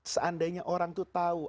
seandainya orang itu tahu